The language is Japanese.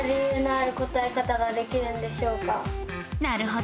なるほど！